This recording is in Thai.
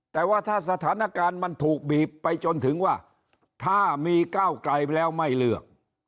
แต่ว่าถ้าสถานการณ์มันถูกบีบไปจนถึงว่าถ้ามีก้าวไกลแล้วไม่เลือก